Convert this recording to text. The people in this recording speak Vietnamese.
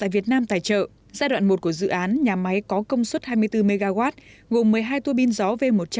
việt nam tài trợ giai đoạn một của dự án nhà máy có công suất hai mươi bốn mw gồm một mươi hai tuô bin gió v một trăm linh